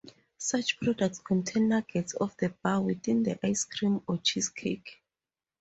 Such products contain nuggets of the bar within the ice cream or cheesecake.